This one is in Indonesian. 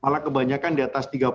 malah kebanyakan di atas tiga puluh